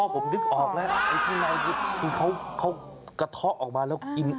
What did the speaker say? อ๋อผมนึกออกแล้วข้างในเขากระทะออกมาแล้ว